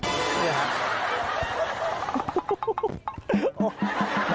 นี่ครับ